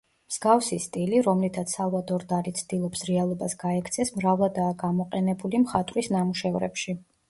მსგავსი სტილი, რომლითაც სალვადორ დალი ცდილობს რეალობას გაექცეს, მრავლადაა გამოყენებული მხატვრის ნამუშევრებში.